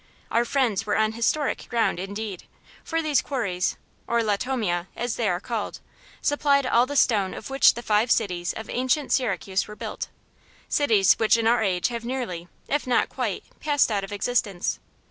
Our friends were on historic ground, indeed, for these quarries or latomia, as they are called supplied all the stone of which the five cities of ancient Syracuse were built cities which in our age have nearly, if not quite, passed out of existence.